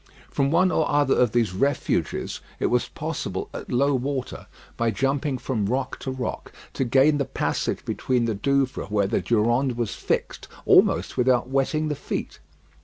From one or other of these refuges it was possible at low water, by jumping from rock to rock, to gain the passage between the Douvres where the Durande was fixed, almost without wetting the feet.